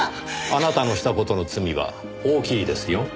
あなたのした事の罪は大きいですよ。